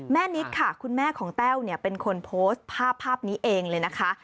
แม่นิตค่ะคุณแม่ของแป้วเป็นคนโพสต์ภาพนี้เองเลยนะคะ